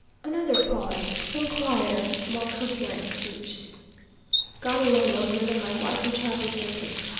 Another pause, then quieter, more coherent speech. "God alone knows whither my wife and child were taken.